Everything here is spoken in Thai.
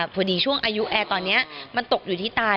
พอดีช่วงอายุแอร์ตอนนี้มันตกอยู่ที่ตาย